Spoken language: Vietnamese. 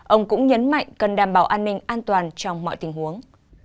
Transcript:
ông cũng nhấn mạnh cần đảm bảo an ninh an toàn trong mọi tình huống